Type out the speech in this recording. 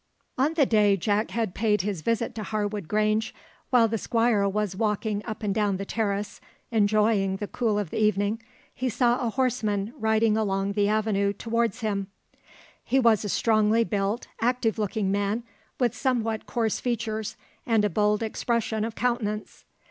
On the day Jack had paid his visit to Harwood Grange, while the Squire was walking up and down the terrace, enjoying the cool of the evening, he saw a horseman riding along the avenue towards him. He was a strongly built, active looking man, with somewhat coarse features and a bold expression of countenance.